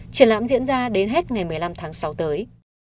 triển lãm diễn ra đến hết ngày một mươi năm tháng sáu tới